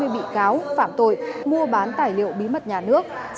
hai mươi bị cáo phạm tội mua bán tài liệu bí mật nhà nước